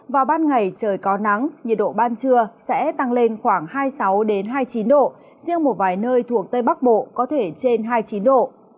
vào ban ngày trời có nắng nhiệt độ ban trưa sẽ tăng lên khoảng hai mươi sáu hai mươi chín độ riêng một vài nơi thuộc tây bắc bộ có thể trên hai mươi chín độ